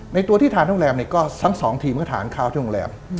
ตัวที่ทานโรงแรมเนี่ยก็ทั้งสองทีมก็ทานข้าวที่โรงแรม